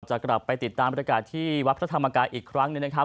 จะกลับไปติดตามบริการที่วัดพระธรรมกายอีกครั้งหนึ่งนะครับ